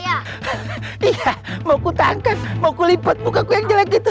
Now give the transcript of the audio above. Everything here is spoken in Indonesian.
iya mau ku tangkap mau ku lipat muka ku yang jelek gitu